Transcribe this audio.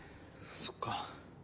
そっか。